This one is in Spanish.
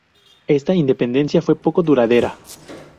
Esta independencia fue poco duradera.